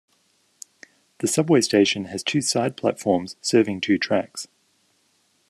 The subway station has two side platforms serving two tracks.